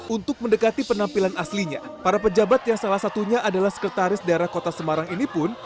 untuk mendekati penampilan aslinya para pejabat yang salah satunya adalah sekretaris daerah kota semarang ini pun